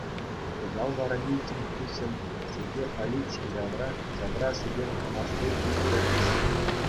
Кӑҫал вара митинг хыҫҫӑн чӗлхе политики тавра ҫавра сӗтел-канашлу ирттерчӗҫ.